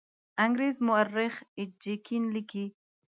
انګریز مورخ ایچ جي کین لیکي.